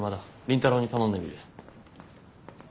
倫太郎に頼んでみる。